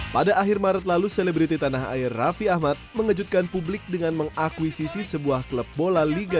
pada akhir maret lalu selebriti tanah air raffi ahmad mengejutkan publik dengan mengakuisisi sebuah klub bola liga satu